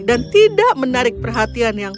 dan tidak menarik perhatian yang